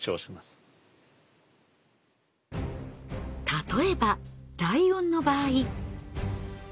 例えばライオンの場合。